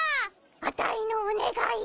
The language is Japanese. あたいのお願い！